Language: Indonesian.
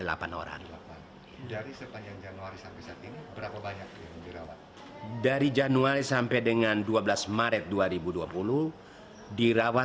dari sepanjang januari sampai saat ini berapa banyak yang dirawat